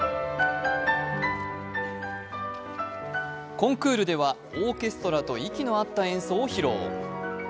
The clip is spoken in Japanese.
コンクールではオーケストラと息の合った演奏を披露。